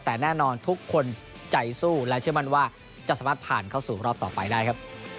แต่แน่นอนทุกคนใจสู้และเชื่อมั่นว่าจะสามารถผ่านเข้าสู่รอบต่อไปได้ครับ